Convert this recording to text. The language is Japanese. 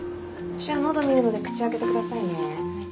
じゃあのどを見るので口開けてくださいね。